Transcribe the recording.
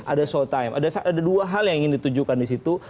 ada show time ada dua hal yang ingin ditujukan di situ